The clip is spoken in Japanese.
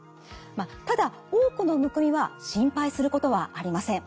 ただ多くのむくみは心配することはありません。